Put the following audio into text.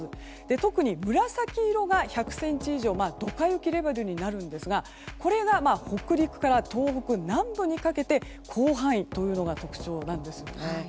特に紫色が１００ｃｍ以上ドカ雪レベルになるんですがこれが北陸から東北南部にかけて広範囲というのが特徴なんですね。